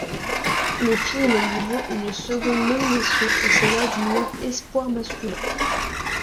Le film lui vaut une seconde nomination au César du meilleur espoir masculin.